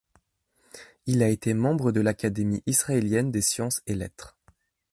Il a été membre de l'Académie israélienne des sciences et lettres.